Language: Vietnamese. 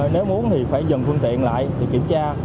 nếu muốn thì phải dừng phương tiện lại thì kiểm tra